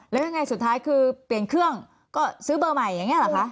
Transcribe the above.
แล้วยังไงสุดท้ายคือเปลี่ยนเครื่องก็ซื้อเบอร์ใหม่อย่างนี้เหรอคะ